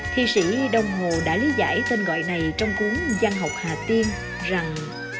thi sĩ đông hồ đã lý giải tên gọi này trong cuốn giang học hà tiên rằng